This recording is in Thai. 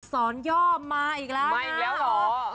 สอนย่อมาอีกแล้วนะ